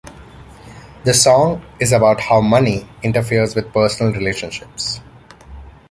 The song is about how money interferes with personal relationships.